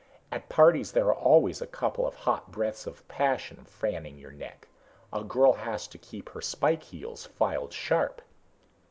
At parties there are always a couple of hot breaths of passion fanning your neck. A girl has to keep her spike heels filed sharp."